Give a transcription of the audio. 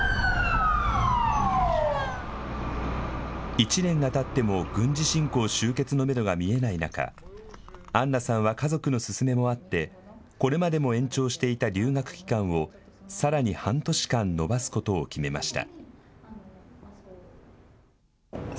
１年がたっても軍事侵攻終結のめどが見えない中、アンナさんは家族の勧めもあってこれまでも延長していた留学期間をさらに半年間延ばすことを決めました。